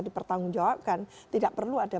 dipertanggungjawabkan tidak perlu ada